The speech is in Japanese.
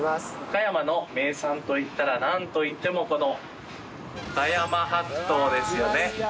岡山の名産といったらなんといってもこの岡山白桃ですよね。